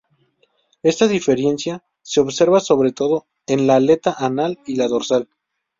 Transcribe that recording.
Esta diferencia se observa sobre todo en la aleta anal y la dorsal.